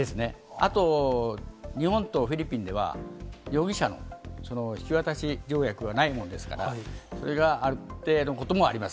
あと、日本とフィリピンでは、容疑者の引き渡し条約がないものですから、それがあってのこともあります。